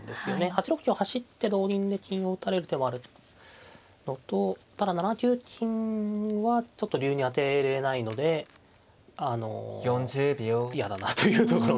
８六香走って同銀で金を打たれる手もあるのとただ７九金はちょっと竜に当てれないのであの嫌だなというところで。